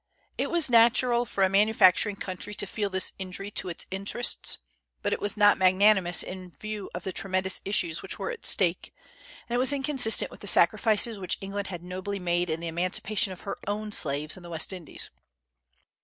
It was natural for a manufacturing country to feel this injury to its interests; but it was not magnanimous in view of the tremendous issues which were at stake, and it was inconsistent with the sacrifices which England had nobly made in the emancipation of her own slaves in the West Indies.